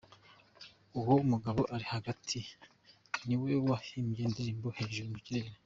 Uwo mugabo uri hagati niwe wahimbye indirimbo Hejuru mu kirere.